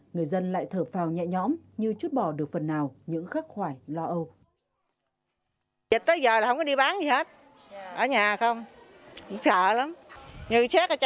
người dân lại thở phào nhẹ nhõm như chút bỏ được phần nào những khắc khoải lo âu